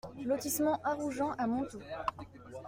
Lotissement Arrougen à Montaut